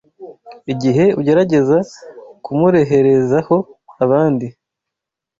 Igihe ugerageza kumureherezaho abandi